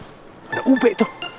udah ub tuh